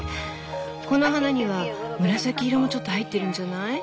この花には紫色もちょっと入ってるんじゃない？